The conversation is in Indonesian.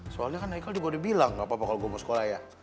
soalnya kan raikal juga udah bilang nggak apa apa kalau gue mau sekolah ya